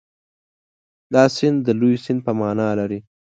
دا سیند د لوی سیند په معنا لري.